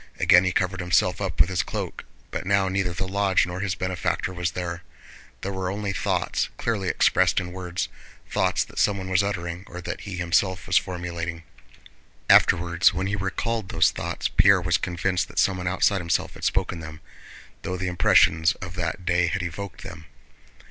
Again he covered himself up with his cloak, but now neither the lodge nor his benefactor was there. There were only thoughts clearly expressed in words, thoughts that someone was uttering or that he himself was formulating. Afterwards when he recalled those thoughts Pierre was convinced that someone outside himself had spoken them, though the impressions of that day had evoked them.